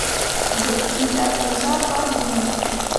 Debki a ǝn zah faa gino.